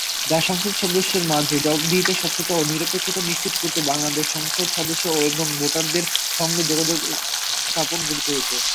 যা সংসদ সদস্যদের মাঝে জবাবদিহিতা, স্বচ্ছতা ও নিরপেক্ষতা নিশ্চিত করতে বাংলাদেশের সংসদ সদস্যদের এবং ভোটারের সঙ্গে যোগাযোগ স্থাপনে গঠিত হয়েছে।